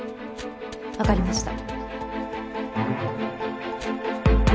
わかりました。